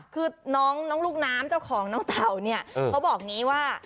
คือน้องลูกน้ำเจ้าของน้องเต่าเนี่ยเขาบอกอย่างนี้ว่า